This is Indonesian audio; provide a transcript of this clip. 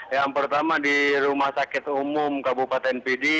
yang pertama di rumah sakit umum kabupaten pidi